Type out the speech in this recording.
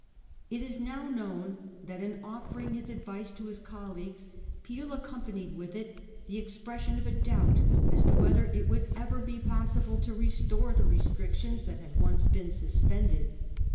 It is now known that , in offering this advice to his colleagues Peel accompa nied it with the expression of a doubt as to whether it would ever be possible to restore the restrictions 1S41 G. THE CABINET COMPROMISE. 363 that had once been suspended.